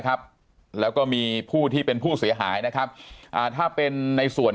ครับแล้วก็มีผู้ที่เป็นผู้เสียหายนะครับอ่าถ้าเป็นในส่วน